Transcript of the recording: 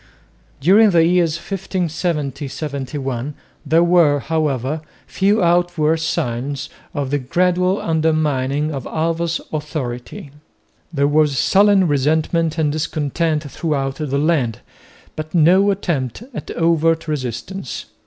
During the years 1570 71 there were however few outward signs of the gradual undermining of Alva's authority. There was sullen resentment and discontent throughout the land, but no attempt at overt resistance.